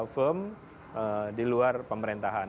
firm di luar pemerintahan